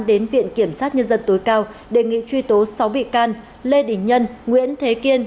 đến viện kiểm sát nhân dân tối cao đề nghị truy tố sáu bị can lê đình nhân nguyễn thế kiên